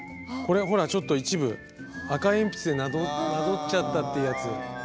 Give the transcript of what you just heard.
これほらちょっと一部赤鉛筆でなぞっちゃったってやつ。